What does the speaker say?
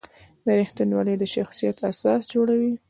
رښتینولي د شخصیت اساس جوړوي.